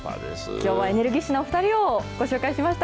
きょうはエネルギッシュなお２人をご紹介しました。